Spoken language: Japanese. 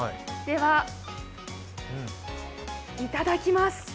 では、いただきます。